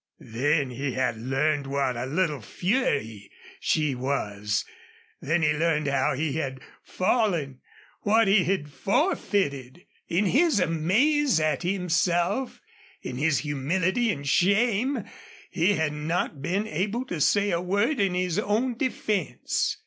Then he had learned what a little fury she was. Then he learned how he had fallen, what he had forfeited. In his amaze at himself, in his humility and shame, he had not been able to say a word in his own defense.